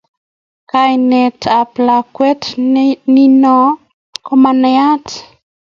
Kianetab lakwet nino koma naat